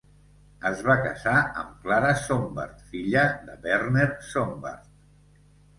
Es va casar amb Clara Sombart, filla de Werner Sombart.